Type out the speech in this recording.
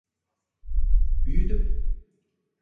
Büyüdüm.